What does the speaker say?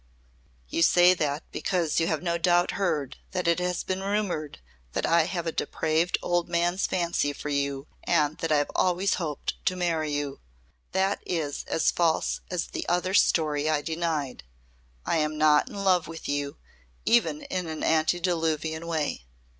"You say that because you have no doubt heard that it has been rumoured that I have a depraved old man's fancy for you and that I have always hoped to marry you. That is as false as the other story I denied. I am not in love with you even in an antediluvian way.